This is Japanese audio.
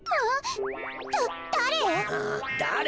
だだれ？